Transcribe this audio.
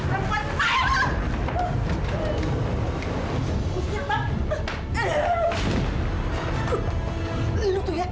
seorang perempuan tidak tahu diuntung